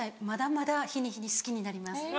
まだまだ日に日に好きになります。